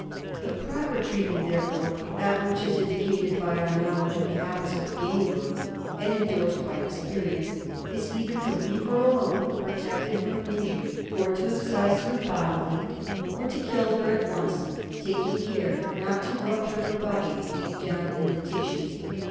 The proper treatment, therefore, that which is indi cated by our knowledge of the habits of the Guinea worm and endorsed by ex ^^^^^^^^^^^^^I^^^H perience, either to leave her alone, protecting her from injury; or to excise her bodily; or to kill her at once, taking care not to rupture her body deep down in the tissues.